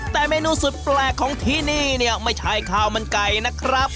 แต่เมนูสุดแปลกของที่นี่เนี่ยไม่ใช่ข้าวมันไก่นะครับ